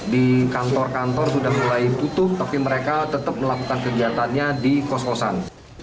di kantor kantor sudah mulai utuh tapi mereka tetap melakukan kegiatannya di kos kosan